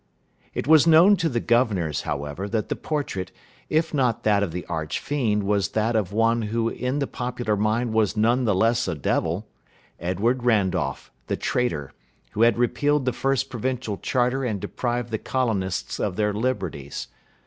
It was known to the governors, however, that the portrait, if not that of the arch fiend, was that of one who in the popular mind was none the less a devil: Edward Randolph, the traitor, who had repealed the first provincial charter and deprived the colonists of their liberties.